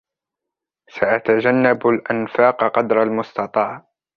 سأتجنب الأنفاق قدر المستطاع